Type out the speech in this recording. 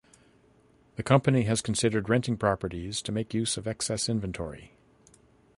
The company has considered renting properties to make use of excess inventory.